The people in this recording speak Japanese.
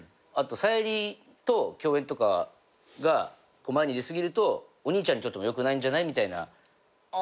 あと沙莉と共演とかが前に出過ぎるとお兄ちゃんにとっても良くないんじゃない？みたいな。